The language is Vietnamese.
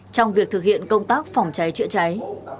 trong việc thực hiện công tác phòng cháy chữa cháy